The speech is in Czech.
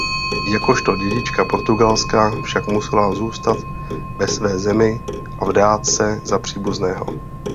Jakožto dědička Portugalska však musela zůstat ve své zemi a vdát se za příbuzného.